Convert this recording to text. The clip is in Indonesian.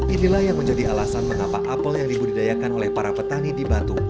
inilah yang menjadi alasan mengapa apel yang dibudidayakan oleh para petani di batu